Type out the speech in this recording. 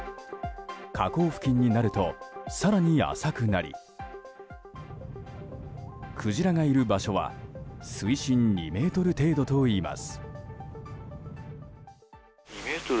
河口付近になると更に浅くなりクジラがいる場所は水深２ｍ程度といいます。